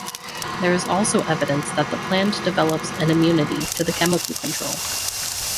There is also evidence that the plant develops an immunity to the chemical control.